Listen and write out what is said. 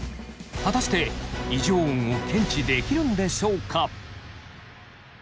果たして異常音を検知できるんでしょうか？